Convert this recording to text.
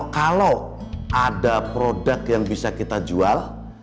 kalau ada produk yang bisa kita jual